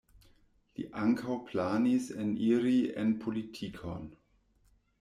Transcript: Li ankaŭ planis eniri en politikon.